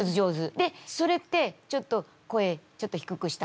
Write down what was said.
でそれってちょっと声ちょっと低くした？